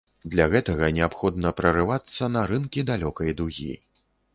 Для гэтага неабходна прарывацца на рынкі далёкай дугі.